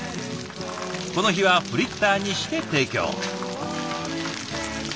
この日はフリッターにして提供。